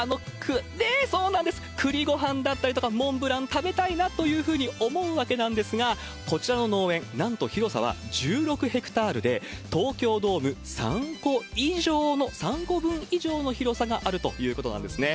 そうなんです、栗ご飯だったりとか、モンブラン食べたいなというふうに思うわけなんですが、こちらの農園、なんと広さは１６ヘクタールで、東京ドーム３個分以上の広さがあるということなんですね。